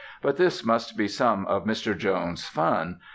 But this must be some of Mr. Jones's fun.